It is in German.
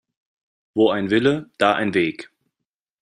Wo ein Wille, da ein Weg.